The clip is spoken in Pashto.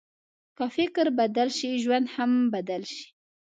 که فکر بدل شي، ژوند هم بدل شي.